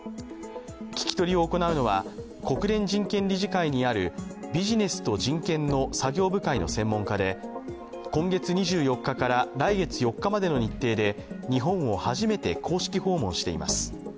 聞き取りを行うのは国連人権理事会にあるビジネスと人権の作業部会の専門家で、今月２４日から来月４日までの日程で日本を初めて公式訪問しています。